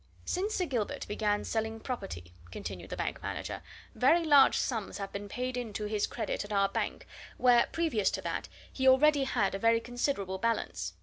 "Since Sir Gilbert began selling property," continued the bank manager, "very large sums have been paid in to his credit at our bank, where, previous to that, he already had a very considerable balance.